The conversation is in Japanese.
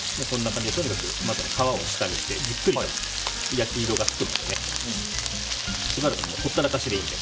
皮を下にしてじっくりと焼き色がつくまでしばらくほったらかしでいいので。